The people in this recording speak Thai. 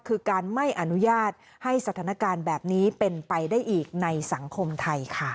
คือการไม่อนุญาตให้สถานการณ์แบบนี้เป็นไปได้อีกในสังคมไทยค่ะ